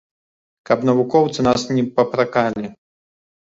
Каб навукоўцы нас не папракалі.